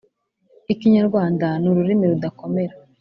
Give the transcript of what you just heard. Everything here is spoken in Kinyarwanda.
ikinyarwanda ni urururimi rudakomera